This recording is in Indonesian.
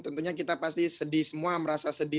tentunya kita pasti sedih semua merasa sedih